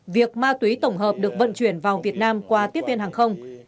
việc ma túy tổng hợp được vận chuyển vào việt nam qua tiếp viên hàng không